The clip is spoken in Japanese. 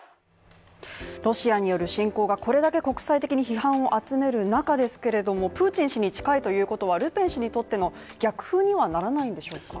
ロシアによる侵攻がこれだけ国際的に批判を集める中ですけれどもプーチン氏に近いということはルペン氏にとっての逆風にはならないんでしょうか？